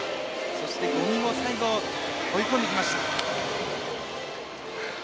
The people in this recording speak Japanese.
そして五味も最後、追い込んできました。